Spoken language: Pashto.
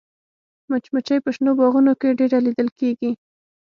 مچمچۍ په شنو باغونو کې ډېره لیدل کېږي